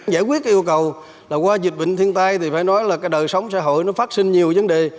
giải quyết cái yêu cầu là qua dịch bệnh thiên tai thì phải nói là cái đời sống xã hội nó phát sinh nhiều vấn đề